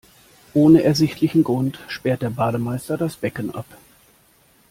Ohne ersichtlichen Grund sperrt der Bademeister das Becken ab.